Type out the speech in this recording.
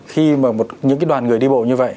khi mà một những cái đoàn người đi bộ như vậy